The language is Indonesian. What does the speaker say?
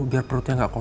biar perutnya gak kosong